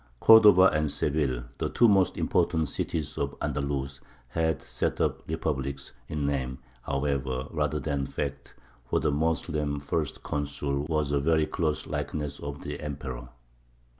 Cordova and Seville, the two most important cities of Andalus, had set up republics," in name, however, rather than fact; for the Moslem First Consul was a very close likeness of the Emperor.